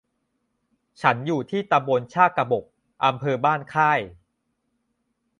ฉันอยู่ที่ตำบลชากบก อำเภอบ้านค่าย